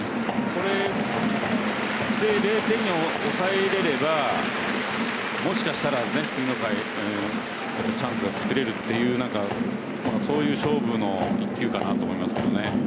これで０点に抑えられればもしかしたら次の回チャンスがつくれるというそういう勝負の１球かなと思いますけどね。